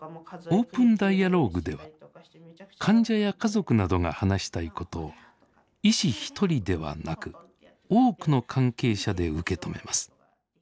オープンダイアローグでは患者や家族などが話したいことを医師１人ではなく多くの関係者で受け止めます。